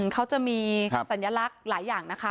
เขาจะมีสัญลักษณ์หลายอย่างนะคะ